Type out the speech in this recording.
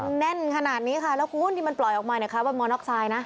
มันแน่นขนาดนี้ค่ะแล้วคุณที่มันปล่อยออกมานะคะว่ามอน็อกไซด์นะ